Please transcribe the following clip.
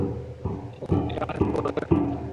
ওহ, এটা অনেক বড় একটা পদক্ষেপ।